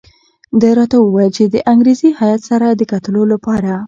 ده راته وویل چې د انګریزي هیات سره د کتلو لپاره.